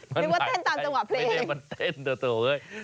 มันหายใจไม่ใช่มันเต้นต่อเลย